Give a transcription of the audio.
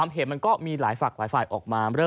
เห็นมันก็มีหลายฝั่งไฟไฟล์ออกมา